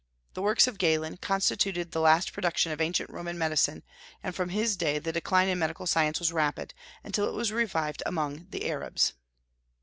The works of Galen constituted the last production of ancient Roman medicine, and from his day the decline in medical science was rapid, until it was revived among the Arabs.